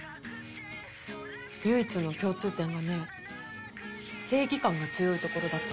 唯一の共通点がね正義感が強いところだったのよ。